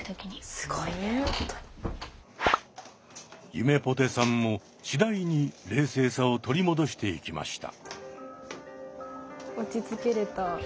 ゆめぽてさんも次第に冷静さを取り戻していきました。